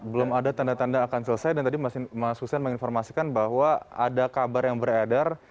belum ada tanda tanda akan selesai dan tadi mas hussein menginformasikan bahwa ada kabar yang beredar